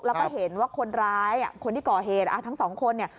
แล้วก็เห็นว่าคนร้ายคนที่ก่อเหตุทั้งสองคนเนี่ย